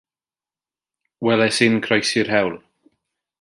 Weles i hi'n croesi'r hewl.